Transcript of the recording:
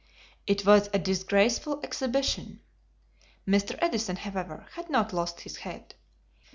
It was a disgraceful exhibition. Mr. Edison, however, had not lost his head.